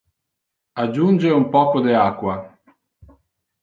Adjunge un poco de aqua.